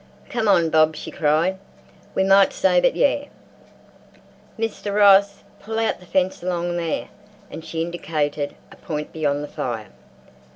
"Come on, Bob," she cried, "we might save it yet. Mr Ross, pull out the fence along there," and she indicated a point beyond the fire.